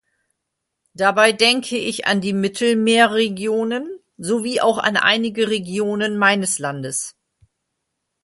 Dabei denke ich an die Mittelmeerregionen sowie auch an einige Regionen meines Landes.